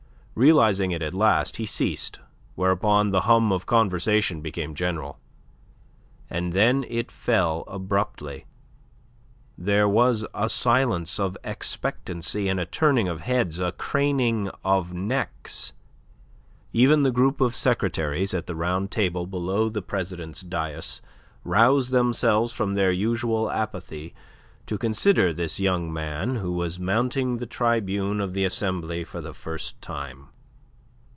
Realizing it at last, he ceased, whereupon the hum of conversation became general. And then it fell abruptly. There was a silence of expectancy, and a turning of heads, a craning of necks. Even the group of secretaries at the round table below the president's dais roused themselves from their usual apathy to consider this young man who was mounting the tribune of the Assembly for the first time.